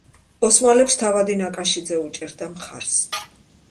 ოსმალებს თავადი ნაკაშიძე უჭერდა მხარს.